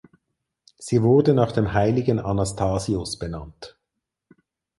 Sie wurde nach dem Heiligen Anastasius benannt.